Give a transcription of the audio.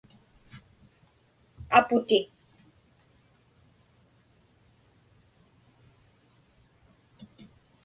aputi